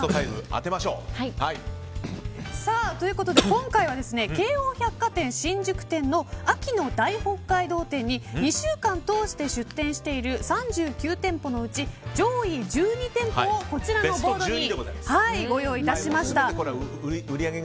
今回は京王百貨店新宿店の秋の大北海道展に２週間通して出店している３９店舗のうち上位１２店舗をこちらのボードにご用意いたしました。